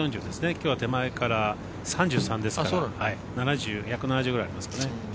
きょうは手前から３３ですから１７０ぐらいありますかね。